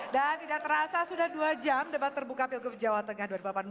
dan tidak terasa sudah dua jam debat terbuka pilgub jawa tengah dua ribu delapan belas